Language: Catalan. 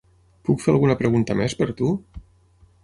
Puc fer alguna pregunta més per tu?